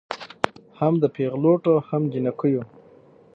هم د پېغلوټو هم جینکیو